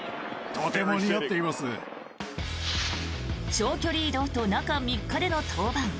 長距離移動と中３日での登板。